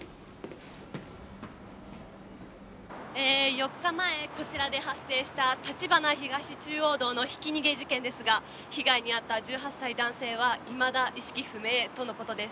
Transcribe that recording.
４日前こちらで発生した立花東中央道のひき逃げ事件ですが被害に遭った１８歳男性はいまだ意識不明との事です。